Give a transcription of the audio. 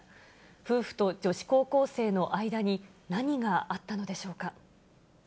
夫婦と女子高校生の間に何があったのでしょうか。